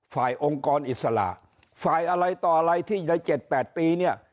องค์กรอิสระฝ่ายอะไรต่ออะไรที่ใน๗๘ปีเนี่ย